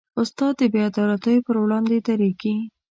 استاد د بېعدالتیو پر وړاندې دریږي.